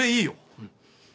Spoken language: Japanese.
うん。